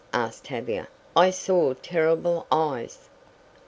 asked Tavia. "I saw terrible eyes!"